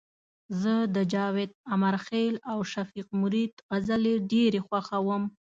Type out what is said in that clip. زه د جاوید امرخیل او شفیق مرید غزلي ډيري خوښوم